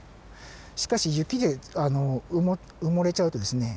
しかし雪であの埋もれちゃうとですね